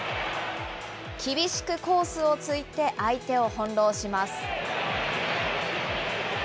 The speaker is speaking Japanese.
厳しくコースを突いて相手を翻弄します。